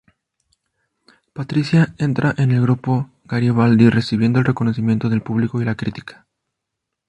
Patricia entra en el grupo Garibaldi, recibiendo el reconocimiento del público y la crítica.